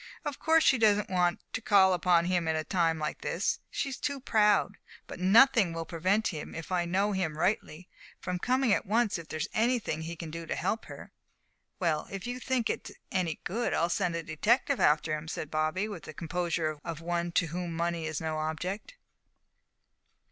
Of course, she doesn't want to call upon him in a time like this. She's too proud. But nothing will prevent him if I know him rightly from coming at once, if there is anything he can do to help her." "Well, if you think it's any good, I'll send a detective after him," said Bobby, with the composure of one to whom money is no object.